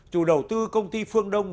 chủ đầu tư công ty phương đông